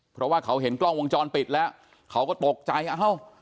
เพราะว่าเขาเห็นกล้องวงจรปิดแล้วเขาก็ตกใจเอ้า